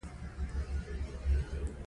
د غالۍ مینځل مهارت غواړي.